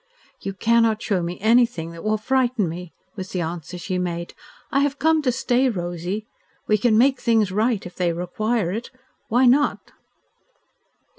"You cannot show me anything that will frighten me," was the answer she made. "I have come to stay, Rosy. We can make things right if they require it. Why not?"